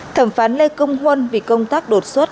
thẩm phán lê công huân vì công tác đột xuất